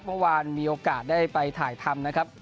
เมื่อวานมีโอกาสได้ไปถ่ายทำนะครับ